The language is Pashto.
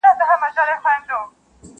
یو او دوه په سمه نه سي گرځېدلای!.